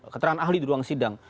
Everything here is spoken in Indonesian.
keterangan ahli di ruang sidang